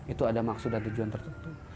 itu ada maksud dan tujuan tertentu